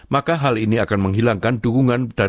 maka hal ini akan menghilangkan dukungan dari perusahaan